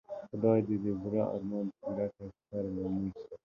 خدای دی د زړه ارمان پوره که سره له مونږه